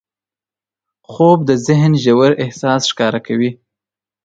خوب د ذهن ژور احساس ښکاره کوي